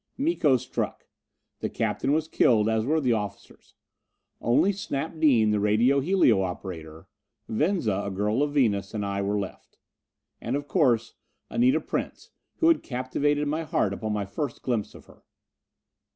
Miko struck. The captain was killed, as were the officers. Only Snap Dean, the radio helio operator, Venza, a girl of Venus, and I were left. And, of course, Anita Prince, who had captivated my heart upon my first glimpse of her.